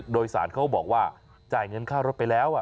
โดยสารเขาบอกว่าจ่ายเงินค่ารถไปแล้ว